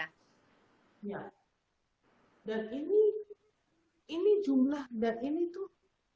ya dan ini jumlah dan ini tuh